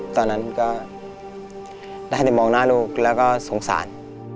ตอนนั้นก็ได้แต่มองหน้าลูกแล้วก็สงสาร